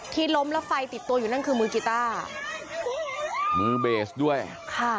ที่ล้มแล้วไฟติดตัวอยู่นั่นคือมือกีต้ามือเบสด้วยค่ะ